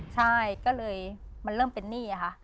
ใช่ก็เลยมันเริ่มเป็นหนี้ค่ะ